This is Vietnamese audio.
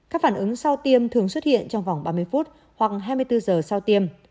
các phản ứng sau tiêm thường xuất hiện trong vòng ba mươi phút hoặc hai mươi bốn giờ sau tiêm